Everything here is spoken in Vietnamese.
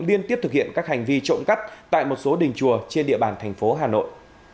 liên tiếp thực hiện các hành vi trộm cắp tại một số đình chùa trên địa bàn thành phố hà nội